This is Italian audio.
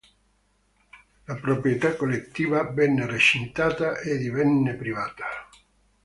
La proprietà collettiva venne recintata e divenne privata.